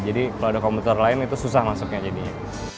jadi kalau ada komputer lain itu susah masuknya jadinya